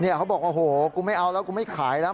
เขาบอกโอ้โหกูไม่เอาแล้วกูไม่ขายแล้ว